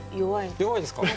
弱いですか？